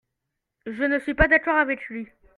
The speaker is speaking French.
je ne suis pas d'accord avec lui.